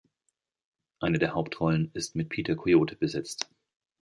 Eine der Hauptrollen ist mit Peter Coyote besetzt.